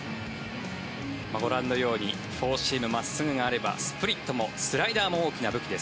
ご覧のようにフォーシーム、真っすぐがあればスプリットもスライダーも大きな武器です。